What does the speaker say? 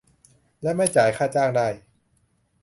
และไม่จ่ายค่าจ้างได้